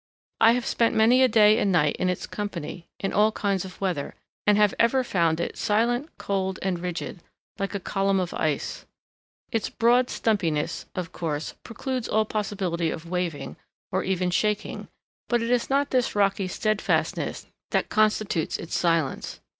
I have spent many a day and night in its company, in all kinds of weather, and have ever found it silent, cold, and rigid, like a column of ice. Its broad stumpiness, of course, precludes all possibility of waving, or even shaking; but it is not this rocky steadfastness that constitutes its silence.